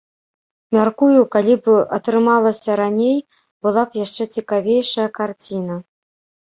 Мяркую, калі б атрымалася раней, была б яшчэ цікавейшая карціна.